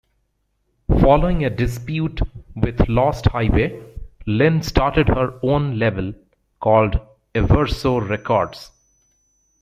Following a dispute with Lost Highway, Lynne started her own label, called Everso Records.